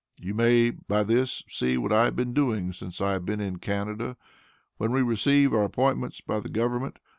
You may, by this, see what I have been doing since I have been in Canada. When we receive our appointments by the Government.